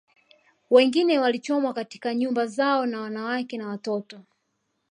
Wengine walichomwa katika nyumba zao na wanawake na watoto